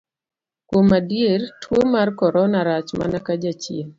Kuom adier, tuo mar korona rach mana ka jachien.